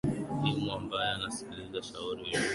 imu ambaye anasikiliza shauri hilo hey loh